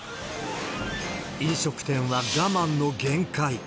飲食店は我慢の限界。